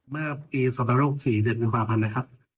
เมื่อปีสัตวโรค๔เด็ดมีความพันธุ์นะครับ